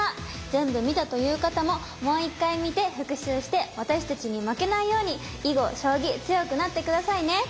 全部見たという方ももう一回見て復習して私たちに負けないように囲碁将棋強くなって下さいね！